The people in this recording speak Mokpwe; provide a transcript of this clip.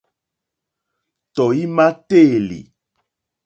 Tɔ̀ímá téèlì.